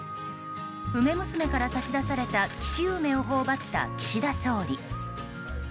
梅娘から差し出された紀州梅を頬張った岸田総理。